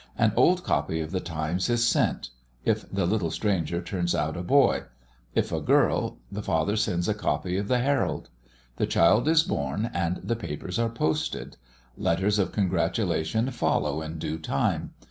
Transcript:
An old copy of the Times is sent, if the little stranger turns out a boy; if a girl, the father sends a copy of the Herald. The child is born, and the papers are posted. Letters of congratulation follow in due time.